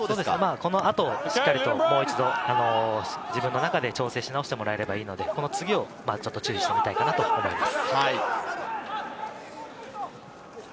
この後しっかりと、もう一度自分の中で調整し直してもらえばいいので、この次を注意してみたいかなと思います。